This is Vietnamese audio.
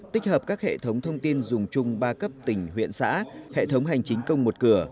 tích hợp các hệ thống thông tin dùng chung ba cấp tỉnh huyện xã hệ thống hành chính công một cửa